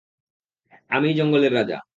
আমিই জঙ্গলের রাজা।